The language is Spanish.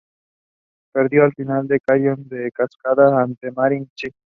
Perdió la final del Challenger de Casablanca ante Marin Čilić.